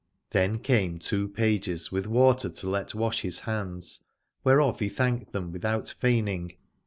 Then came two pages with water to let wash his hands, whereof he thanked them without feigning.